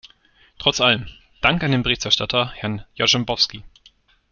Trotz allem Dank an den Berichterstatter, Herrn Jarzembowski.